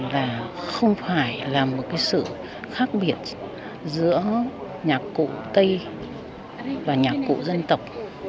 là không phải là một cái sự khác biệt giữa nhạc cụ tây và nhạc cụ dân tộc